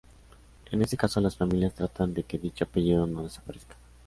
En ese caso las familias tratan de que dicho apellido no desaparezca.